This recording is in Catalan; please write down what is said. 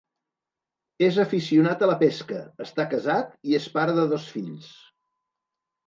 És aficionat a la pesca, està casat i és pare de dos fills.